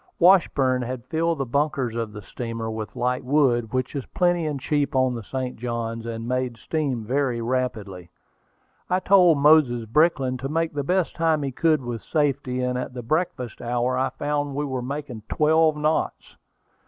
Washburn had filled the bunkers of the steamer with light wood, which is plenty and cheap on the St. Johns, and made steam very rapidly. I told Moses Brickland to make the best time he could with safety, and at the breakfast hour I found we were making twelve knots.